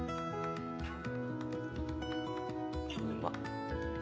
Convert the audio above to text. うまっ。